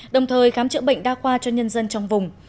đồng thời khám chữa bệnh đa khoa cho nhân dân trong vùng